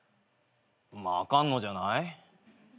まああかんのじゃない？